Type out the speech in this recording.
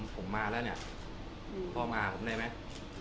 ผมมาแล้วเนี่ยพ่อมาหาผมได้ไหม